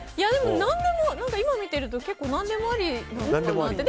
でも、今見てると結構何でもありなのかなって。